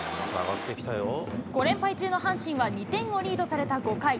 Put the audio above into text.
５連敗中の阪神は、２点をリードされた５回。